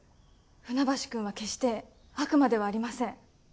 船橋くんは決して悪魔ではありません。